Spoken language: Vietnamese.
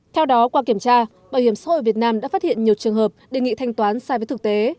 theo đó qua kiểm tra bảo hiểm xã hội việt nam đã phát hiện nhiều trường hợp đề nghị thanh toán sai với thực tế